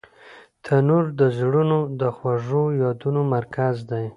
تنور د زړونو د خوږو یادونو مرکز دی